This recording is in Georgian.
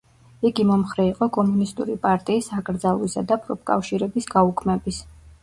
იგი მომხრე იყო კომუნისტური პარტიის აკრძალვისა და პროფკავშირების გაუქმების.